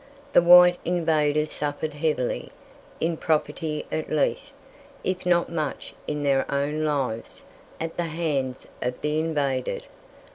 The white invaders suffered heavily, in property at least, if not much in their own lives, at the hands of the invaded.